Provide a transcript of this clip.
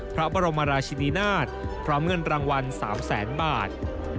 พระบรมราชินินาศพร้อมเงินรางวัล๓แสนบาท